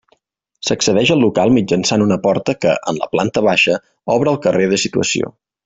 S'accedeix al local mitjançant una porta que, en la planta baixa, obre al carrer de situació.